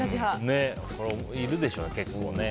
いるでしょうね、結構。